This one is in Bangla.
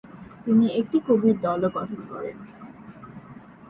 তিনি একটি কবির দলও গঠন করেন।